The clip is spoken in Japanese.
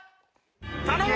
頼む！